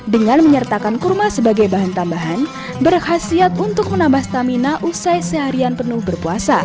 dengan menyertakan kurma sebagai bahan tambahan berhasil untuk menambah stamina usai seharian penuh berpuasa